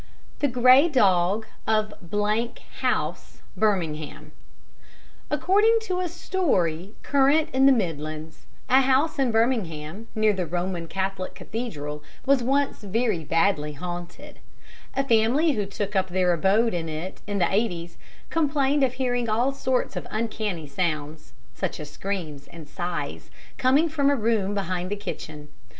The Grey Dog of House, Birmingham According to a story current in the Midlands, a house in Birmingham, near the Roman Catholic Cathedral, was once very badly haunted. A family who took up their abode in it in the 'eighties complained of hearing all sorts of uncanny sounds such as screams and sighs coming from a room behind the kitchen.